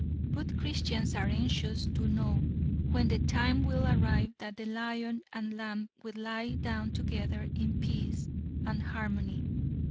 Good Christians are anxious to know when the time will arrive that the lion and lamb will lie down together in peace and harmony.